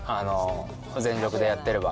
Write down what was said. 全力でやってれば。